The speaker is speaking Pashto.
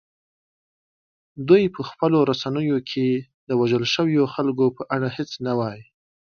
دوی په خپلو رسنیو کې د وژل شویو خلکو په اړه هیڅ نه وايي